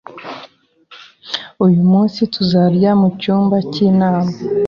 Uyu munsi tuzarya mu cyumba cy'inama